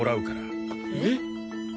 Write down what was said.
えっ？